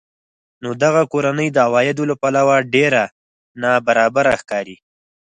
نو دغه کورنۍ د عوایدو له پلوه ډېره نابرابره ښکاري